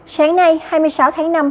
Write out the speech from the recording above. sáng nay hai mươi sáu tháng năm